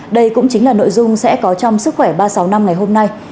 đây cũng chính là nội dung sẽ có trong sức khỏe ba trăm sáu mươi năm ngày hôm nay